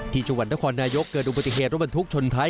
ที่จังหวัดนครนายกเกิดอุบัติเหตุรถบรรทุกชนท้าย